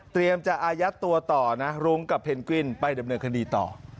จะอายัดตัวต่อนะรุ้งกับเพนกวินไปดำเนินคดีต่อ